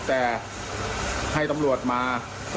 แต่ให้ตำรวจมา